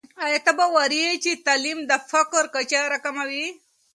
آیا ته باوري یې چې تعلیم د فقر کچه راکموي؟